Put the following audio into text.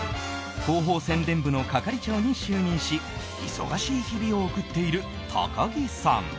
広報宣伝部の係長に就任し忙しい日々を送っている高樹さん。